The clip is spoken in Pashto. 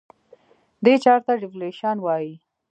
دې چارې ته Devaluation وایي.